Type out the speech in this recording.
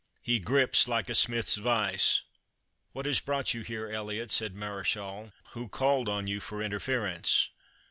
he grips like a smith's vice." "What has brought you here, Elliot?" said Mareschal; "who called on you for interference?"